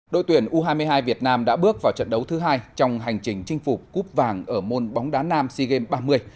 đội tuyển u hai mươi hai việt nam đã bước vào trận đấu thứ hai trong hành trình chinh phục cúp vàng ở môn bóng đá nam sea games ba mươi